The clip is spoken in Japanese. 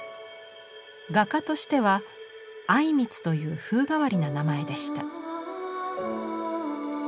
画家としては靉光という風変わりな名前でした。